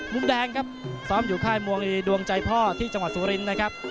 มุมแดงครับซ้อมอยู่ค่ายมวยดวงใจพ่อที่จังหวัดสุรินทร์นะครับ